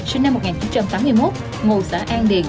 sinh năm một nghìn chín trăm tám mươi một ngụ xã an điền